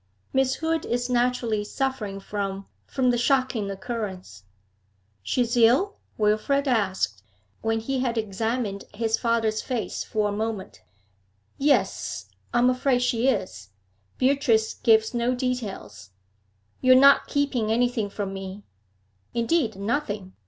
Miss Hood is naturally suffering from from the shocking occurrence.' 'She is ill?' Wilfrid asked, when he had examined his father's face for a moment. 'Yes, I am afraid she is. Beatrice gives no details.' 'You are not keeping anything from me?' 'Indeed, nothing.